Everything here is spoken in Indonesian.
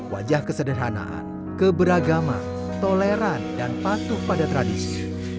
wajah kesederhanaan keberagaman toleran dan patuh pada tradisi